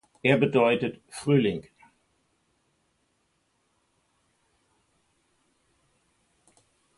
Er bedeutet ""Frühling"".